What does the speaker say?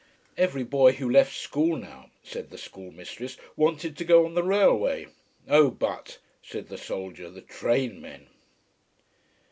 Every boy who left school now, said the schoolmistress, wanted to go on the railway. Oh but said the soldier the train men